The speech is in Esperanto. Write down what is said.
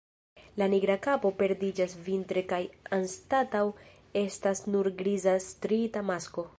La nigra kapo perdiĝas vintre kaj anstataŭ estas nur griza striita masko.